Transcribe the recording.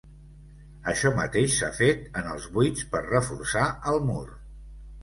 Això mateix s'ha fet en els buits, per reforçar el mur.